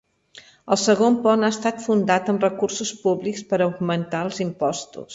El segon pont ha estat fundat amb recursos públics per augmentar els impostos.